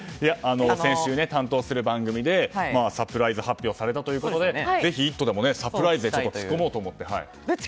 先週担当する番組でサプライズ発表されたということでぜひ「イット！」でもサプライズで聞こうと思って。